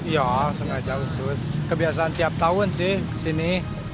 ya sengaja khusus kebiasaan tiap tahun sih kesini